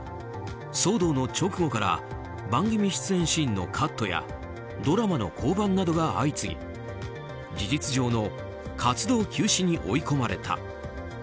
騒動の直後から番組出演シーンのカットやドラマの降板などが相次ぎ事実上の活動休止に追い込まれた。